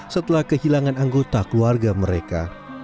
setelah kehilangan anggota keluarga mereka